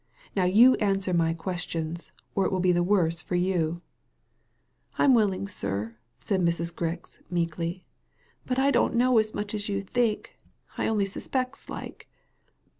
Now you answer my questions, or it will be the worse for you." "I'm willing, sir," said Mrs. Grix, meekly; "but I don't know as much as you think. I only suspects like."